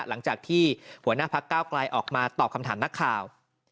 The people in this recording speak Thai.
หลังจากที่หัวหน้าพักเก้าไกลออกมาตอบคำถามนักข่าว